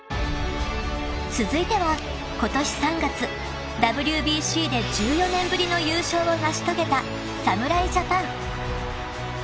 ［続いては今年３月ＷＢＣで１４年ぶりの優勝を成し遂げた侍ジャパン］